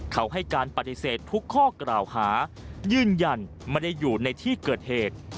เขาให้การปฏิเสธทุกข้อกล่าวหายืนยันไม่ได้อยู่ในที่เกิดเหตุ